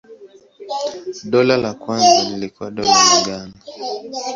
Dola la kwanza lilikuwa Dola la Ghana.